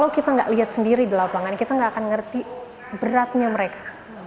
kalau kita nggak lihat sendiri di lapangan kita nggak akan ngerti beratnya mereka